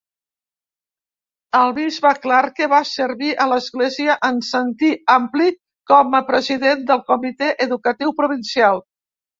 El bisbe Clarke va servir a l"església en senti ampli com a president del Comitè educatiu provincial.